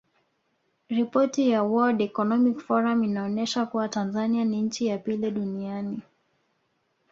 Ripoti ya Word Economic Forum inaonesha kuwa Tanzania ni nchi ya pili duniani